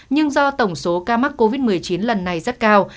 nhưng do tổng số ca mắc covid một mươi chín lần này rất cao